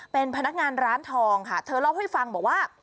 เป็นพนักงานร้านทองค่ะเธอเล่าให้ฟังบอกว่า